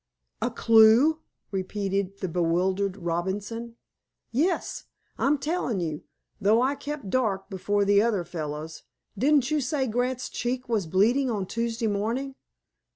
"A clew!" repeated the bewildered Robinson. "Yes. I'm telling you, though I kept dark before the other fellows. Didn't you say Grant's cheek was bleeding on Tuesday morning?"